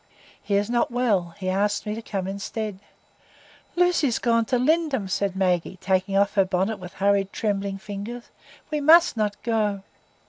"He is not well; he asked me to come instead." "Lucy is gone to Lindum," said Maggie, taking off her bonnet with hurried, trembling fingers. "We must not go."